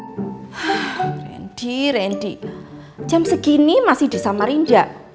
rendy rendy jam segini masih di samarinja